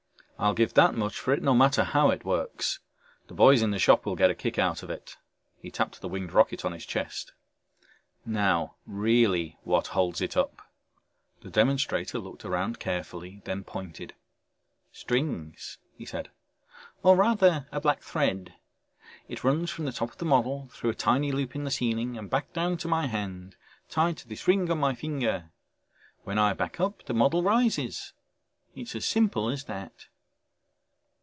"I'll give that much for it no matter how it works. The boys in the shop will get a kick out of it," he tapped the winged rocket on his chest. "Now really what holds it up?" The demonstrator looked around carefully, then pointed. "Strings!" he said. "Or rather a black thread. It runs from the top of the model, through a tiny loop in the ceiling, and back down to my hand tied to this ring on my finger. When I back up the model rises. It's as simple as that."